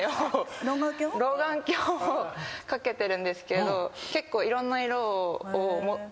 老眼鏡を掛けてるんですけど結構いろんな色をたぶん持ってて。